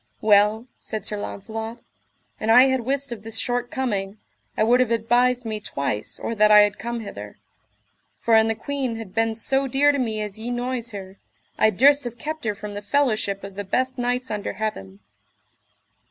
Well, said Sir Launcelot, an I had wist of this short coming, I would have advised me twice or that I had come hither; for an the queen had been so dear to me as ye noise her, I durst have kept her from the fellowship of the best knights under heaven.